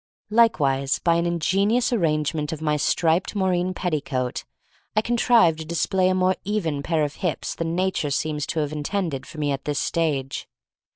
Likewise by an ingenious arrange ment of my striped moreen petticoat I contrive to display a more evident pair of hips than Nature seems to have in tended for me at this stage.